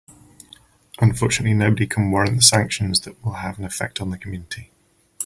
Unfortunately, nobody can warrant the sanctions that will have an effect on the community.